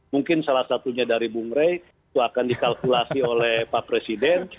mungkin salah satunya dari bung rey itu akan dikalkulasi oleh pak presiden